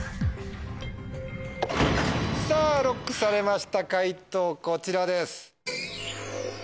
さぁＬＯＣＫされました解答こちらです。